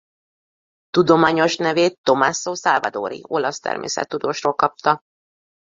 Tudományos nevét Tommaso Salvadori olasz természettudósról kapta.